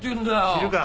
知るか！